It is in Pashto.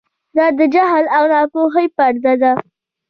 دا د جهل او ناپوهۍ پرده ده.